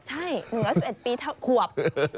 ใช่๑๑๑ปีเท่าขวบ